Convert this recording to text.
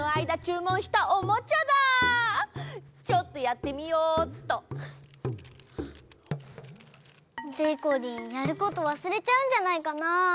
ちょっとやってみよっと！でこりんやること忘れちゃうんじゃないかな？